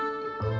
bisa buat buka